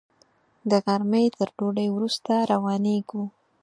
د غرمې تر ډوډۍ وروسته روانېږو.